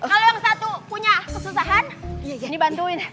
kalau yang satu punya kesusahan sini bantuin